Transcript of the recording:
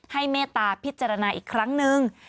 เมตตาพิจารณาอีกครั้งนึง